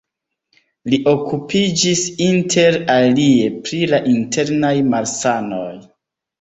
Li okupiĝis inter alie pri la internaj malsanoj.